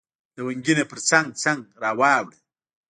لونګینه پرڅنګ، پرڅنګ را واوړه